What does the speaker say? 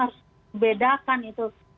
harus dibedakan itu